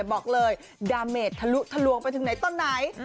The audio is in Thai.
บอกเลยดาเมดทะลุทะลวงไปถึงไหนตอนไหน